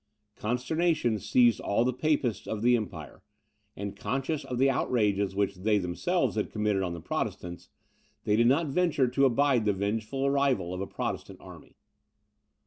Consternation seized all the Papists of the Empire; and conscious of the outrages which they themselves had committed on the Protestants, they did not venture to abide the vengeful arrival of a Protestant army.